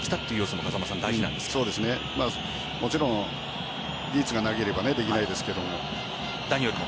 もちろん技術がなければできないですけど。